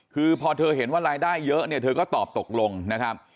คือพอเธอเห็นว่ารายได้เยอะเนี่ยเธอก็ตอบตกลงนะครับ